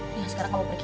lihat sekarang kamu pergi